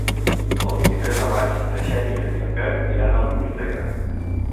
El vint-i-tres de maig na Xènia i en Pep iran a la biblioteca.